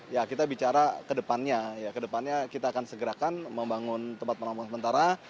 ya kita bicara kedepannya ya kedepannya kita akan segerakan membangun tempat penampungan sementara